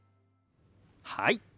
はい。